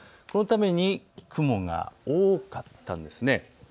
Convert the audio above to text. このため雲が多かったんです。